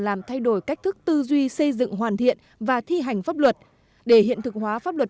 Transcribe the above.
làm thay đổi cách thức tư duy xây dựng hoàn thiện và thi hành pháp luật để hiện thực hóa pháp luật